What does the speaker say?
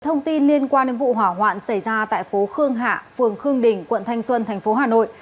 thông tin liên quan đến vụ hỏa hoạn xảy ra tại phố khương hạ phường khương đình quận thanh xuân thành phố hà nội